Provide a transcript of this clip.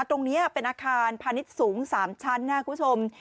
ตรงนี้เป็นอาคารพาณิชสูง๓ชั้นคุณผู้ชม